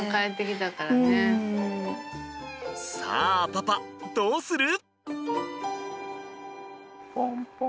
さあパパどうする？